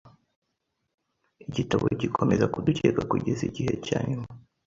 igitabo gikomeza kudukeka kugeza igihe cyanyuma